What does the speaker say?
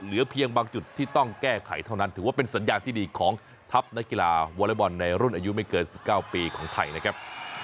เหลือเพียงบางจุดที่ต้องแก้ไขเท่านั้นถือว่าเป็นสัญญาณที่ดีของทัพนักกีฬาวอเล็กบอลในรุ่นอายุไม่เกิน๑๙ปีของไทยนะครับ